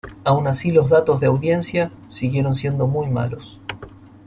Aun así, los datos de audiencia siguieron siendo muy malos.